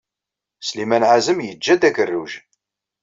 Sliman ɛazem yeǧǧa-d agarruj.